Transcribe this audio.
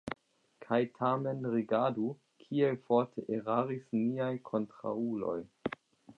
Kaj tamen rigardu, kiel forte eraris niaj kontraŭuloj!